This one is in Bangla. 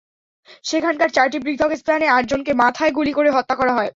সেখানকার চারটি পৃথক স্থানে আটজনকে মাথায় গুলি করে হত্যা করা হয়।